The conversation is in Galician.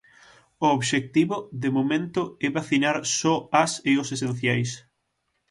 O obxectivo, de momento, é vacinar só as e os esenciais.